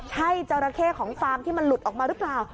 ใช่จราเข้ของฟาร์มที่มันหลุดออกมาหรือเปล่า